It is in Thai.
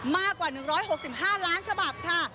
มากกว่า๑๖๕ล้านฉบับค่ะ